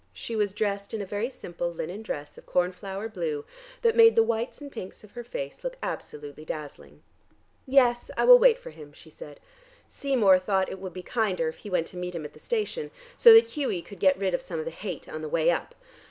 She was dressed in a very simple linen dress of cornflower blue, that made the whites and pinks of her face look absolutely dazzling. "Yes, I will wait for him," she said. "Seymour thought it would be kinder if he went to meet him at the station, so that Hughie could get rid of some of the hate on the way up.